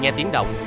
nghe tiếng động